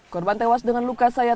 korban tewas dengan luka sayang